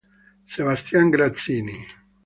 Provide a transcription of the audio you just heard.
Sebastián Grazzini